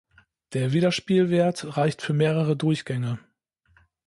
Der Wiederspielwert reicht für mehrere Durchgänge.